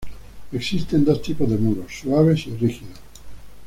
Existen dos tipos de muros; "suaves" y "rígidos".